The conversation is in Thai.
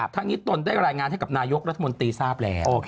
ทั้งนี้ตนได้รายงานให้กับนายกรัฐมนตรีทราบแล้ว